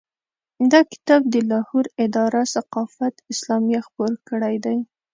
دا کتاب د لاهور اداره ثقافت اسلامیه خپور کړی دی.